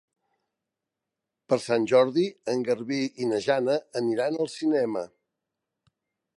Per Sant Jordi en Garbí i na Jana aniran al cinema.